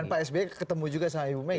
dan pak sby ketemu juga saha humeh ya